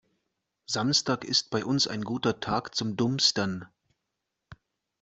Samstag ist bei uns ein guter Tag zum Dumpstern.